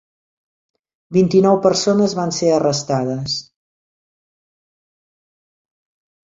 Vint-i-nou persones van ser arrestades.